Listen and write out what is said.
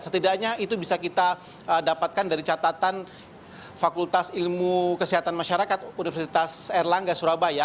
setidaknya itu bisa kita dapatkan dari catatan fakultas ilmu kesehatan masyarakat universitas erlangga surabaya